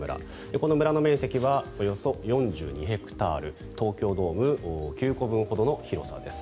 この村の面積はおよそ４２ヘクタール東京ドーム９個分ほどの広さです。